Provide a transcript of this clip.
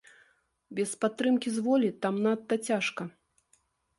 Без падтрымкі з волі там надта цяжка.